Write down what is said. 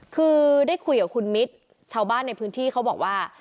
คือได้คุยกับคุณมิตรชาวบ้านในพื้นที่เขาบอกว่า